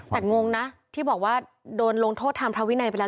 แต่งงนะที่บอกว่าโดนลงโทษทางพระวินัยไปแล้ว